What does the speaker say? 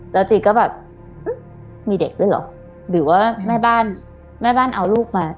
แล้วจีก็แบบมีเด็กด้วยเหรอหรือว่าแม่บ้านแม่บ้านเอาลูกมา